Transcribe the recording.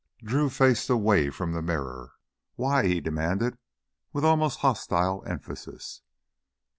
Drew faced away from the mirror. "Why?" he demanded with almost hostile emphasis.